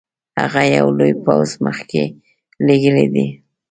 هغه یو لوی پوځ مخکي لېږلی دی.